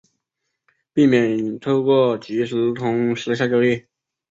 避免透过即时通私下交易